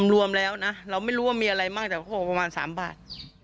รวมแล้วนะเราไม่รู้ว่ามีอะไรมากแต่ประมาณ๓บาท